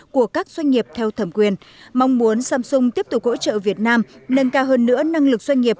của các doanh nghiệp theo thẩm quyền mong muốn samsung tiếp tục hỗ trợ việt nam nâng cao hơn nữa năng lực doanh nghiệp